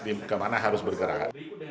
di kemana harus bergerak